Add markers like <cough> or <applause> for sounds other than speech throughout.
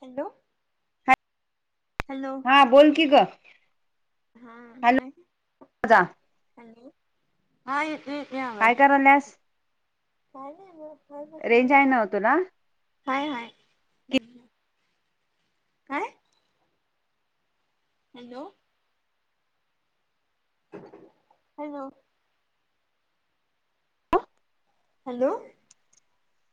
Hello. Hello हा बोल की गं. हा. काय <unintelligible> माझा चाललय <unintelligible> पन्नास. काय नाही बघ हाय बसलोय रेंज बघ. आहे ना तुला हाय हाय. काय? हॅलो. हॅलो. हॅलो.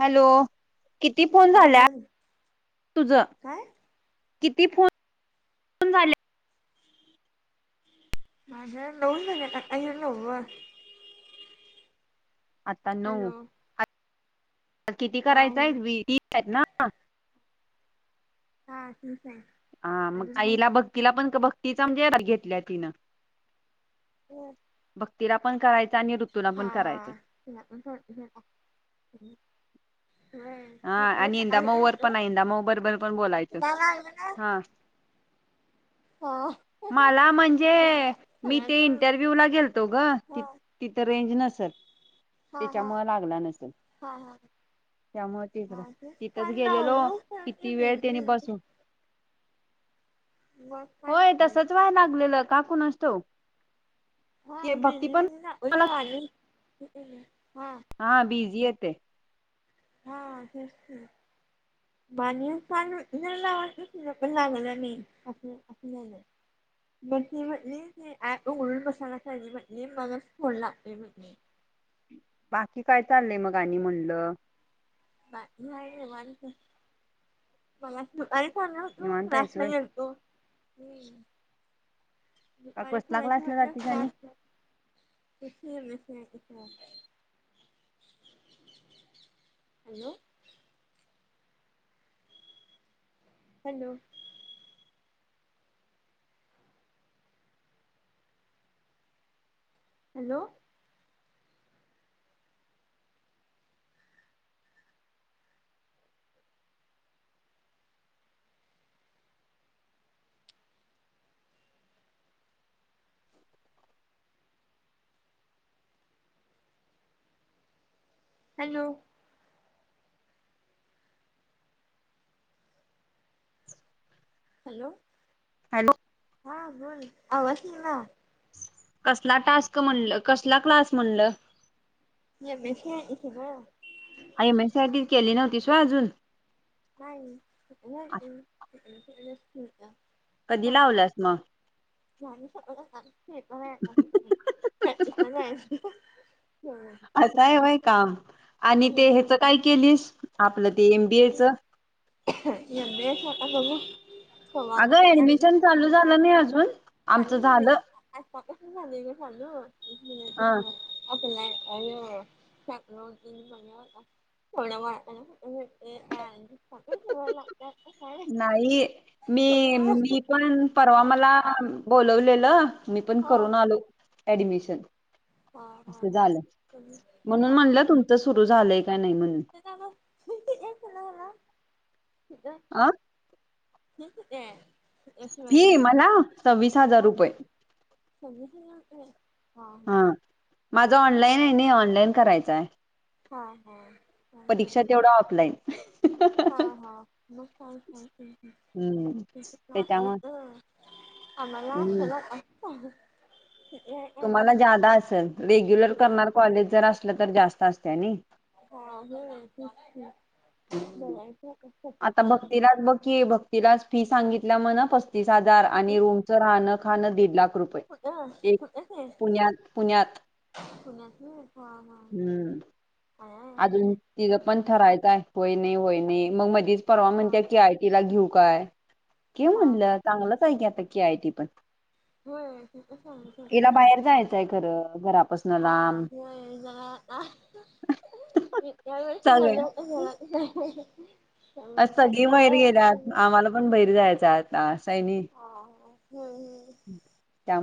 हॅलो. किती फोन हा झाल्यात बोल <inaudible> तुझ? काय किती फोन झाले? माझ्या नऊ झालेत. आता हे नऊव. आता नऊ. हॅलो आता किती हा करायचं आहे हा वीस आहेत ना? हा तीस आहेत. हा मग आईला भक्तीला पण भक्तीचा म्हणजे घेतलीया तिनं. हो. भक्तीला पण करायचा आणि निृ हा हा. <unintelligible> होय. हा आणि इंदामऊ वर पण आहे. इंदामऊ बरोबर पण बोलायचं <unintelligible> हा हां. मला म्हणजे मी ते इंटरव्यूला गेलतो ग. हा तिथं रेंज नसेल, हा हा त्याच्यामुळ लागला नसेल. हा त्यामुळे तिकडं हा तिथंच पण गेलेलो लावलो किती वेळ <unintelligible> त्यानी बसून मग काय होय म्हटले तसच व्हाय लागलेलं का कुणास ठाऊक. हा ते भक्ती पण <unintelligible> हा हा बिझी येते. हा तेच की. <unintelligible> लागला नाही <unintelligible> <unintelligible> मग ती म्हणली ॲप उघडून बसायला पाहिजे म्हणली मगच फोन लागतोय म्हणली. बाकी काय चाललंय मग आणि म्हणलं? काय नाही निवांत. <unintelligible> निवांत आहेस क्लासला व्हय गेलतो. <unintelligible> का कसला क्लासला तेच जातीस आणि की M S C I T <unintelligible> hello. Hello. Hello. Hello. Hello. Hello. हा बोल. आवाज येईना. कसला टास्क म्हणलं? कसला क्लास म्हणलं? M S C I T च ग. M S C I T केली नव्हतीस होय अजून. <unintelligible> कधी सांग लावल्यास मग. <unintelligible> अस आहे व्हय काम. आणि बी ते ह्याच काय केलीस आपल ते एमबीएच. एम बी एस आता बघू. अगं ऍडमिशन चालू झालं नाही अजून आमचं झालं हा <unintelligible> <unintelligible> <unintelligible> <unintelligible> लागतंय आता काय नाही मी कमी मार्क मी पण परवा हा मला बोलवलेल, मी पण हा करून आलो ऍडमिशन. अस झाल. पुण्यात मी म्हणून म्हणल तुमच सुरू झालय का नाही म्हणून <unintelligible> <unintelligible> आ <unintelligible> फी मला सव्वीस हजार रुपये. <unintelligible> हा माझा ऑनलाईन आहे ना ऑनलाईन करायच आहे. परीक्षा तेवढ ऑफलाइन. हा हा हम्म त्याच्यामुळे हम्म <unintelligible> तुम्हाला जादा असेल. रेग्युलर करणार कॉलेज जर असल तर जास्त असते आणि. हा हो तेच कि हम्म बघायच आता. आता भक्तीला बघ की, भक्तीलाच फी सांगितल्या म्हण पस्तीस हजार. आणि रूम राहण खाण दीड लाख रुपये एक पुण्यात पुण्यात <unintelligible> हम्म अजून तिच पण ठरायच आहे. होय नाही होय नाही. मग मधीच परवा म्हणते की आयटीला घेऊ काय? घे म्हणल हा चांगलच आहे की आता की आयटी पण. होय तिथं सांगत होती. तिला बाहेर जायचय आहे खर घरापासून. हा लांब मी त्यावेळेस सगळे म्हटल होत तुला. नाही आज सगळी बाहेर गेले आज. आम्हाला पण बैरी जायच आता असय नाही, हा होय होय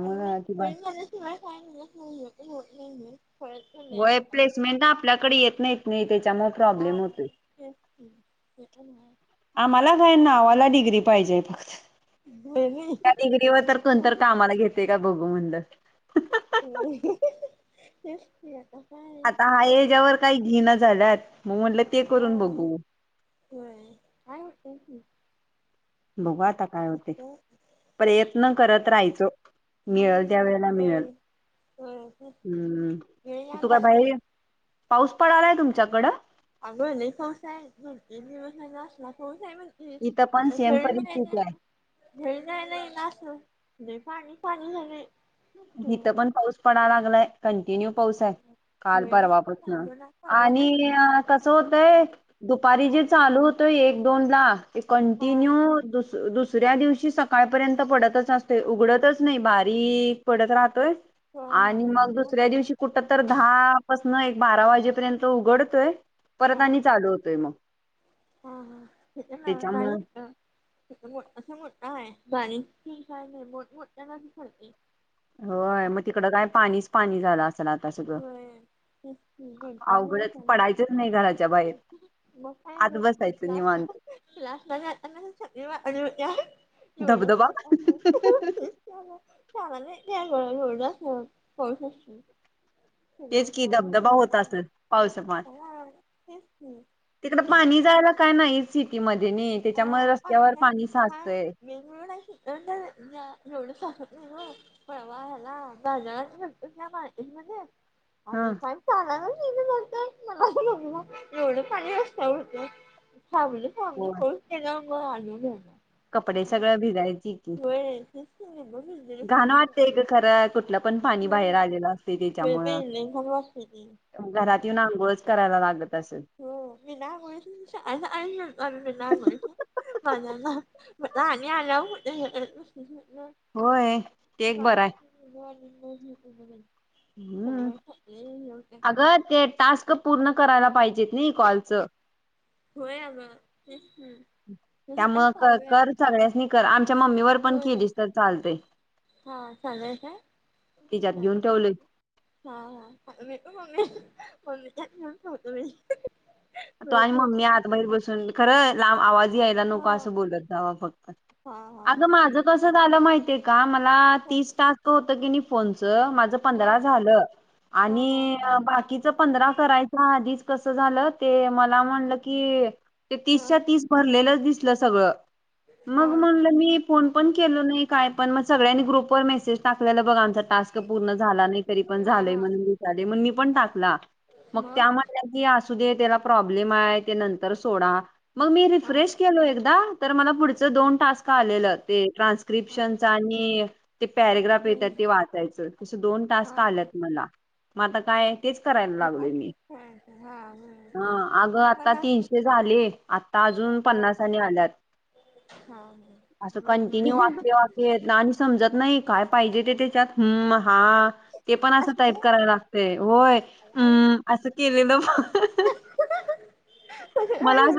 आणि मग कि बा <unintelligible> नाही होय असं काय. प्लेसमेंट आपल्याकडे येत नाहीत नाही त्याच्यामुळ हा प्रॉब्लेम होतोय. तेच की ते पण आहे. आम्हाला काय नावाला डिग्री पाहिजे आहे फक्त. नाही त्या डिग्रीवर तर कोण तरी कामाला घेते का बघू म्हणल. <unintelligible> आता आहे याच्यावर काही घेण झाल्यात. मग म्हटल ते हा करून बघू. होय काय वाटतय बघू आता काय होते. प्रयत्न करत राहायच. मिळल त्या हम्म वेळेला मिळल. होय होय वेळ हम्म यायला तु का लागतंय. बाहेर ये, पाऊस पडलाय तुमच्याकड? अग लय पाऊस हाय दोन तीन दिवस हेना असला पाऊस हाय म्हण हे इथं कुठ पण सेम फिराय जाय काय परिस्थिती नाय आहे. घरी जायला येई ना अस लय पाणी झालय. हीत पण पाऊस पडा लागलाय कंटिन्यू पाऊस हाय. काल परवा पासन आणि कसं होतंय दुपारी जे चालू होत ते एक दोनला ते कंटिन्यू मोठाच्या दुस दुसऱ्या दिवशी सकाळपर्यंत पडतच असतोय उघडतच नाय बारीक पडत राहतोय आणि मग दुसऱ्या दिवशी कुठ तर दहापासन एक बारा वाजेपर्यंत उघडतोय परत आणि चालू होतोय म हं हं इथे नाय नाही इथं इथं मोठ्ठासां मोठ्ठा हाय बारीक तेन काय नाय मोठ मोठ्यानं पडतोय. होय म तिकड काय पाणीच पाणी झालं अस सल आता सगळ होय तेच की अवघडचं पडायचचं नाय घरा म काय म क्लासला निवांत क्लासला जाताना सगळी वाकडी होत्या एवढं धबधबा <unintelligible> <unintelligible> तेच की धबधबा होत असल पावसां पान की तिकड पाणी जायला काय नाही सिटीमध्येय नी त्याच्यामुळ रस्त्यावर आमच्या पाणी साचतंय. <unintelligible> एवढं साचत नाय ओ परवा ह्याला बाजारात <unintelligible> हा आणि काय चालायलाच येईना झालत मला एवढ पाणी रस्त्यावर होत. म थांबलो. थांबलो होय बस स्टॅण्डवर म आलो <unintelligible> कपडे अस सगळं भिजायची झाल <unintelligible> <unintelligible> घाणं वाटतंय क खरंचं कुठल पण पाणी होय बाहेर आलेल असतय होय त्याच्यामूळ बाई लई घाण वाटतंय ते घरात येऊन अंघोळचं करायला लागत असल. हो बिना अंघोळीच सकाळ सकाळी फिरतो आम्ही बीना अंघोळीच मला ना म्हणलं आणि आल्यावर कुठ हे <unintelligible> होय ते एक बरय <unintelligible> म्हणून सगळं संपलेले हे होतय. गं त्यात टास्क पूर्ण करायला पाहिजेत नई कॉल होय अगं तेच नं त्यामुळ कर कर सगळ्यासनी कर आमच्या मम्मीवर पण होय केलीस तर चालतय हा चालू आहे काय? तिच्यात घेऊन ठेवलोय. हा हा आता मी पण मम्मी मम्मीच्या <unintelligible> ठेवतो मी तु आणि मम्मी आत मधी बसून खरं लांब आवाज यायला हा नको अस बोलत जावा फक्त हा हा अगं माझ कस झालं माहितीये का ला हा तीस टास्क होत की नी फोनच माझ हा पंधरा झालं हा हा आणि बाकीच पंधरा करायच्या आधीच कस झालं ते मला म्हणलं की ते हा तीसच्या तीस भरलेलंच दिसलं सगळं मग हा म्हणलं मी फोन पण केलो नय. काय पण, मग सगळ्यांनी ग्रुप वर मेसेज टाकलेलं बघ, आमचा टास्क पूर्ण झाला नाही, तरी पण हा झालंय हा म्हण मी पण टाकला, मग त्या म्हणल्या की असुदेत तेला प्रॉब्लेम हाय, ते नंतर सोडा, मग मी हा रिफ्रेश केलो एकदा, तर मला पुढच दोन टास्क आलेल, ते हा ट्रान्स्क्रिप्शन आणि ते पॅरेग्राफ येत्यात हा ते वाचायचं, तसं दोन टास्क हा आल्यात मला, मग आता काय तेच करायला <unintelligible> लागलोय मी हा हा. हा, अगं आता मला तीनशे झालेत, आता अजून हा पन्नास आणि आल्यात. हा असं कंटिन्यू वाक्य वा येत <unintelligible> आणि समजत नाही, काय पाहिजे ते देत्यात, हम! हा. ते पण असं टाईप करायला लागतय, होय. अम् असं केलेलं <unintelligible> <inaudible> मला अस,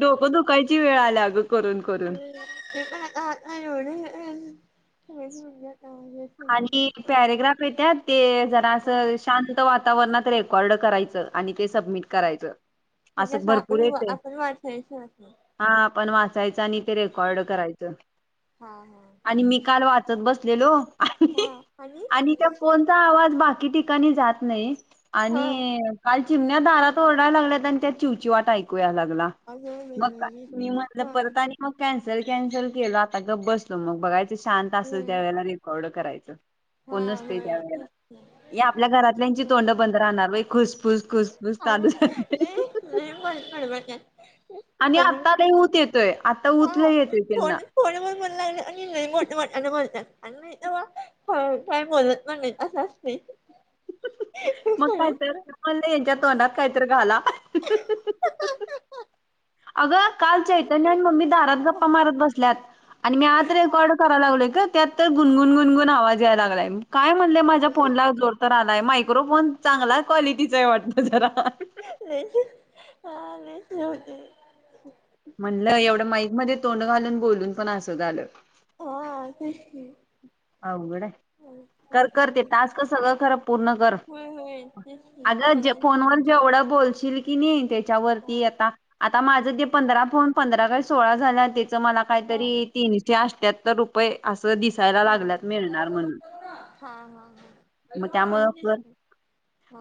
डोकं दुःखायची वेळ आल्या अगं करून करून. <unintelligible> आणि पॅरेग्राफ येत्यात, ते जरा असं शांत वा वातावरणात रेकॉर्ड करायचं, आणि ते सबमिट करायचं. ते असं आपण, आपण वाचयचं अस. हा, आपण वाचायचं, आणि ते रेकॉर्ड करायचं. हा हा. चत बसलेलो, आणि, आणि त्या फोन चा आवाज बाकी ठिकाणी जात नाही, हा आणि काल चिमण्या दारात आरडाय लागल्यात, आणि त्यात चिव-चीवाट ऐकू या लागला. मग काय, अजून मी म्हटल हा परत आणि मग कॅन्सल, कॅन्सल केल आता, बघायचं मग शांत असेल होय त्या वेळेला र्ड करायचं, हा कोण नसतय होय त्यावळेला. तेच की हे आपल्या घरातल्यांची तोंड बंद राहणार व्हय, खुसफुस, खुसफुस, चालूच असतय. नाही <unintelligible> आणि आत्ता लई ऊत येतोय, आता ऊत हा लई ऊत येतोय फोन त्यांना. फोनवर बोलाय लागलं की लई मोठ्या मोठ्यान बोलतात, आणि नाही तेव्हा काय बोलत पण नाहीत असं असतय. <unintelligible> <inaudible> मग काय तर, मी म्हणलं यांच्या तोंडात कायतर घाला. <inaudible> अगं, काल चैतन्य आणि मम्मी दारात गप्पा मारत बसल्यात, आणि मी आत रेकॉर्ड कराला लागलोय काय त्यात तर गुण, गुन, गुण, गुन आवाज यायला लागलाय, काय म्हणलय माझ्या फोनला जोर तर आलाय, मायक्रोफोन चांगला क्वालिटीचा हाय वाटत जरा <unintelligible> हा लईच हे होतय. म्हणलं, एवढं माईकमध्ये तोंड घालून, बोलून, पण असं झालं. हा, तेच की अवघड हाय, कर कर, ते तास्क सगळं कर पूर्ण कर. होय होय तेच की आग जे करायलोय. फोन व जेवढ बोलशील की नाही, त्याच्यावरती आता, आता माझ ते पंधरा फोन पंधरा काय सोळा झाल्यात, त्याच मला हा काहीतरी तीनशे अठ्यात्तर रुपये असं दिसायला हा लाग लागल्यात मिळणार म्हणून, हा मग हा त्यामुळं म्हणजेच कर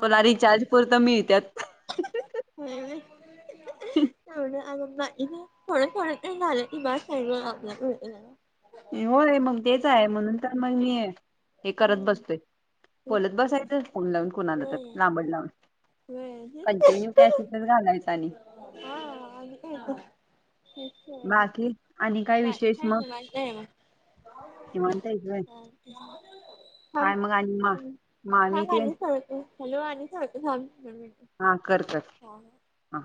तुला रिचार्ज पुरतं मिळत्यात. <unintelligible> हम्म! <unintelligible> थोड थोड तर झालं की बास हाय ग आपल्यापुरतं. होय, मग तेच आहे, म्हणून तर मग मी हे करत बसतोय, तेच बोलत की बसायचं फोन लावून. आलं तर होय लांबड लाऊन, होय कंटिन्यू कॅसतच घालायचं आणि हा, आम्ही काय करू. <unintelligible> अके बाकी आणि <unintelligible> काय विशेष मग निवांत हायस व्हय थांब काय मग मा आणि मामी थांब तेन आणि करतो हॅलो आणि करतो थांब दोन मिनट. हा, कर-कर. हो. हा.